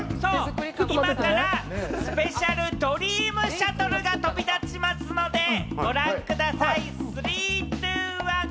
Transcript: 今からスペシャルドリームシャトルが飛び立ちますので、ご覧ください。